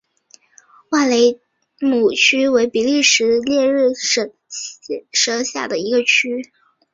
瓦雷姆区为比利时列日省辖下的一个区。